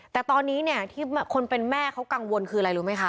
แต่ตอนนี้เนี่ยที่คนเป็นแม่เขากังวลคืออะไรรู้ไหมคะ